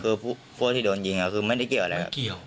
คือพวกที่โดนยิงไม่ได้เกี่ยวอะไร